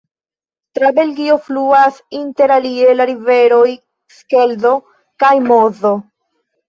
Tra Belgio fluas interalie la riveroj Skeldo kaj Mozo.